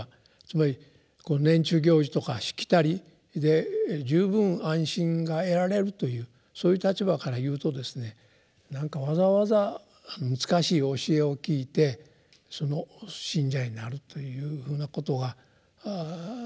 つまり年中行事とかしきたりで十分安心が得られるというそういう立場から言うとですねなんかわざわざ難しい教えを聞いてその信者になるというふうなことが何か不自然な感じがするんでしょうね。